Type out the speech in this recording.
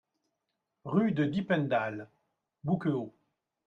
Rue de Dippendal, Bouquehault